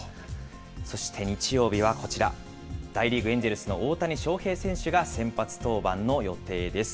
そして日曜日はこちら、大リーグ・エンジェルスの大谷翔平選手が先発登板の予定です。